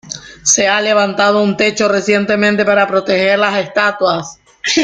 Se ha levantado un techo recientemente para proteger las estatuas.